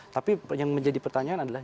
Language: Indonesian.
tapi yang menjadi pertanyaan adalah